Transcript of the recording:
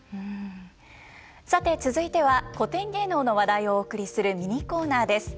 さて続いては古典芸能の話題をお送りするミニコーナーです。